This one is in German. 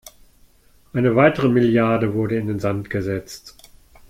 Eine weitere Milliarde wurde in den Sand gesetzt.